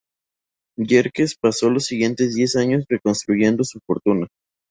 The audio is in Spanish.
Yerkes pasó los siguientes diez años reconstruyendo su fortuna.